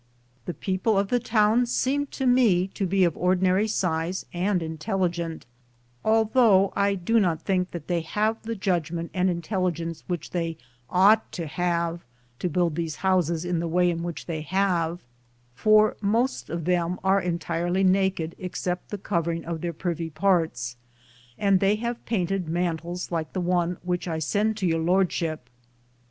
The people of the towns seem to me to be of ordinary size and intelligent, although I do not think that they have the judgment and intelligence which they ought to have to build these houses in the way in which they have, for most of them are entirely naked except the covering of their privy parts, and they have painted mantles like the one which I send to Your Lordship.